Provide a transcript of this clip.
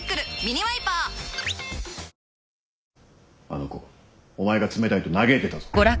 あの子お前が冷たいと嘆いてたぞ。